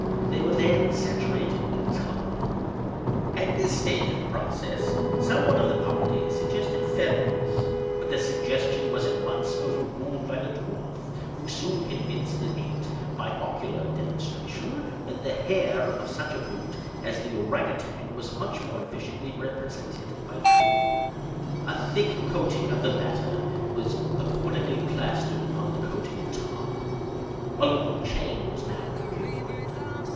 They were then saturated with tar. At this stage of the process, some one of the party suggested feathers; but the suggestion was at once overruled by the dwarf, who soon convinced the eight, by ocular demonstration, that the hair of such a brute as the ourang outang was much more efficiently represented by flax. A thick coating of the latter was accordingly plastered upon the coating of tar. A long chain was now procured.